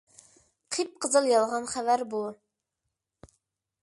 قىپقىزىل يالغان خەۋەر بۇ!